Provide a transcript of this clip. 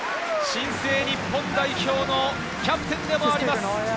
新生日本代表のキャプテンでもあります。